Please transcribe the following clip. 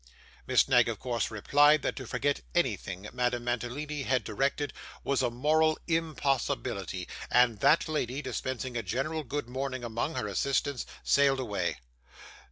Miss Knag of course replied, that to forget anything Madame Mantalini had directed, was a moral impossibility; and that lady, dispensing a general good morning among her assistants, sailed away.